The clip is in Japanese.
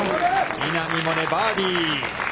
稲見萌寧、バーディー。